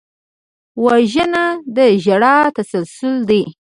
وژنه د ژړا تسلسل دی